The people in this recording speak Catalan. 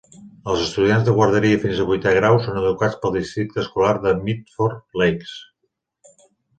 Els estudiants de guarderia fins a vuitè grau són educats pel Districte Escolar de Medford Lakes.